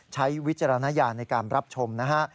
วิจารณญาณในการรับชมนะฮะ